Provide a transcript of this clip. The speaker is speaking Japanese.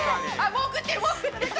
もう食ってる！